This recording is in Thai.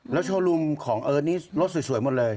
แล้วโชว์รูมของเอิร์ทนี่รถสวยหมดเลย